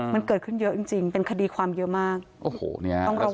มันเกิดขึ้นเยอะจริงเป็นคดีความเยอะมากต้องระวังมาก